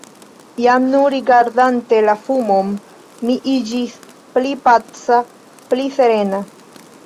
Jam, nur rigardante la fumon, mi iĝis pli paca, pli serena.